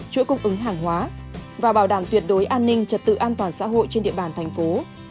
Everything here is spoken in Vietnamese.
chuỗi cung ứng hàng hóa và bảo đảm tuyệt đối an ninh trật tự an toàn xã hội trên địa bàn thành phố